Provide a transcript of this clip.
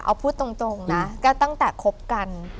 เอาพูดตรงนะก็ตั้งแต่คบกัน